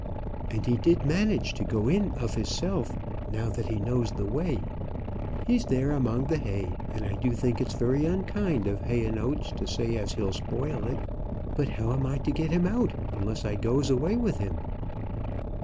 And he did manage to go in of his self, now that he knows the way. He's there among the hay, and I do think it's very unkind of Hayonotes to say as he'll spoil it. But how am I to get him out, unless I goes away with him?"